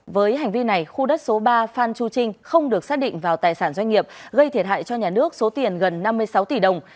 với hành vi này khu đất số ba phan chu trinh không được xác định vào tài sản doanh nghiệp gây thiệt hại cho nhà nước số tiền gần năm mươi sáu tỷ đồng